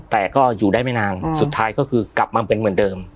แต่ก็อยู่ได้ไม่นานสุดท้ายก็คือกลับมาเป็นเหมือนเดิม